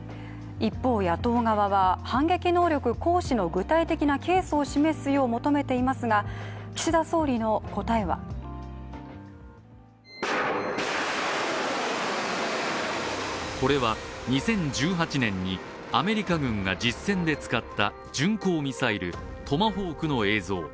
一方、野党側は、反撃能力行使の具体的なケースを示すよう求めていますが、岸田総理の答えは。これは２０１８年にアメリカ軍が実戦で使った巡航ミサイル・トマホークの映像。